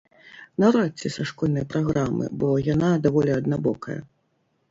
Наўрад ці са школьнай праграмы, бо яна даволі аднабокая.